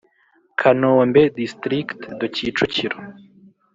Kanombe District de Kicukiro